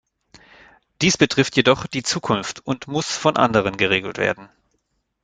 Dies betrifft jedoch die Zukunft und muss von anderen geregelt werden.